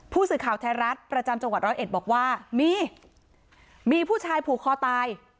ผู้สื่อข่าวไทยรัฐประจำจังหวัดร้อยเอ็ดบอกว่ามีมีผู้ชายผูกคอตาย